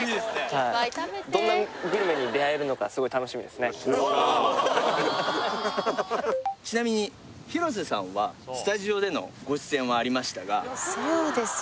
はいちなみに広瀬さんはスタジオでのご出演はありましたがそうですよ